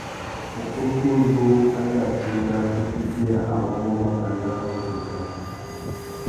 Ukutu uzú a tà tina utifiya awômô makana a wô dingamú.